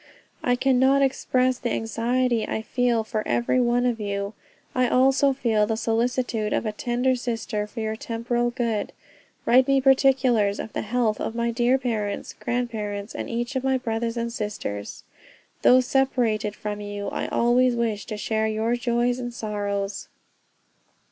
I cannot express the anxiety I feel for every one of you. I also feel the solicitude of a tender sister for your temporal good. Write me particulars of the health of my dear parents, grand parents, and each of my brothers and sisters. Though separated from you, I always wish to share your joys and sorrows.